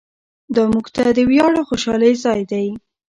دا موږ ته د ویاړ او خوشحالۍ ځای دی.